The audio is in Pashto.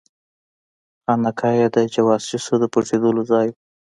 خانقاه یې د جواسیسو د پټېدلو ځای وو.